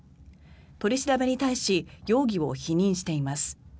取り調べに対し容疑を否認しています。